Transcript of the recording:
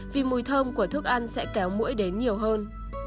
vì mùi thơm của thức ăn sẽ kéo mũi đến nhiều hơn